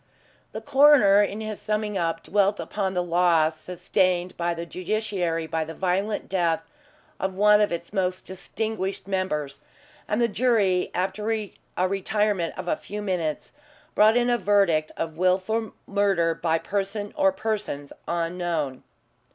The coroner, in his summing up, dwelt upon the loss sustained by the Judiciary by the violent death of one of its most distinguished members, and the jury, after a retirement of a few minutes, brought in a verdict of wilful murder by some person or persons unknown.